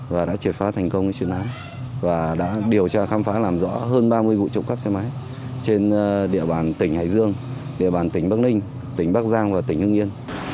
và đã triệt phá thành công chuyên án và đã điều tra khám phá làm rõ hơn ba mươi vụ trộm cắp xe máy trên địa bàn tỉnh hải dương địa bàn tỉnh bắc ninh tỉnh bắc giang và tỉnh hưng yên